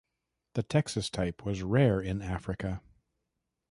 The Texas type was rare in Africa.